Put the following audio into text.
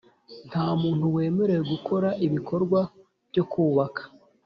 Nta muntu wemerewe gukora ibikorwa byo kubaka